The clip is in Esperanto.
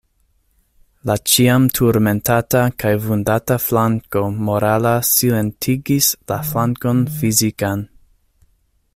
La ĉiam turmentata kaj vundata flanko morala silentigis la flankon fizikan.